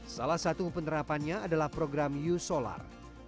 salah satu penerapannya adalah program u solar